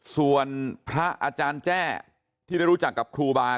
ส่วนพระอาจารย์แจ้ที่ได้รู้จักกับครูบา